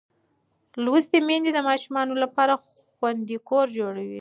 لوستې میندې د ماشوم لپاره خوندي کور جوړوي.